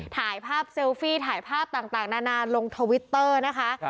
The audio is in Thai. ถ่ายภาพเซลฟี่ถ่ายภาพต่างนานาลงทวิตเตอร์นะคะ